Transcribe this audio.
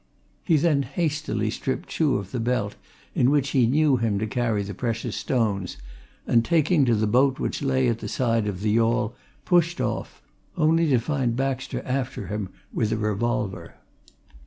He then hastily stripped Chuh of the belt in which he knew him to carry the precious stones, and taking to the boat which lay at the side of the yawl, pushed off, only to find Baxter after him with a revolver.